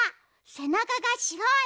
せなかがしろい！